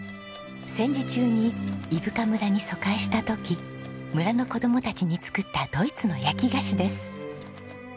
戦時中に伊深村に疎開した時村の子供たちに作ったドイツの焼き菓子です。